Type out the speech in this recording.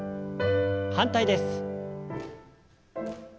反対です。